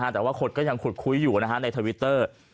แต่ว่าคนก็ยังขุดคุยอยู่ในทวิตเตอร์